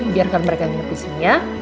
biarkan mereka nginep disini ya